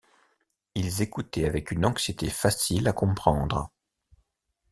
Ils écoutaient avec une anxiété facile à comprendre.